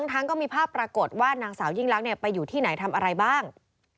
ทั้งก็มีภาพปรากฏว่านางสาวยิ่งลักษณ์ไปอยู่ที่ไหนทำอะไรบ้าง